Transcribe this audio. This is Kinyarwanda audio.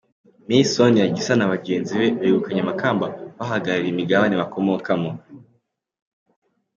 Miss Sonia Gisa na bagenzi be begukanye amakamba bahagarariye imigabane bakomokaho.